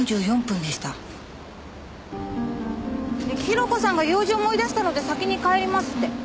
広子さんが「用事を思い出したので先に帰ります」って。